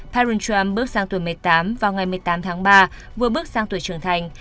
parisram bước sang tuổi một mươi tám vào ngày một mươi tám tháng ba vừa bước sang tuổi trưởng thành